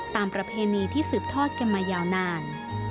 ประเพณีที่สืบทอดกันมายาวนาน